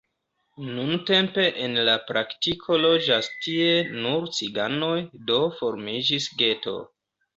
Nuntempe en la praktiko loĝas tie nur ciganoj, do formiĝis geto.